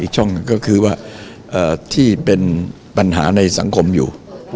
ช่องก็คือว่าที่เป็นปัญหาในสังคมอยู่